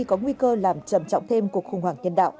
có nguy cơ làm trầm trọng thêm cuộc khủng hoảng nhân đạo